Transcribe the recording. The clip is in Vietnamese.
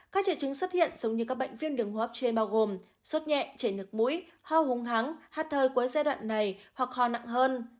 các triệu chứng xuất hiện giống như các bệnh viêm đường hô hấp trên bao gồm sốt nhẹ chảy nực mũi ho hung hắng hát thời cuối giai đoạn này hoặc ho nặng hơn